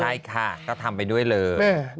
ใช่ค่ะก็ทำไปด้วยเลย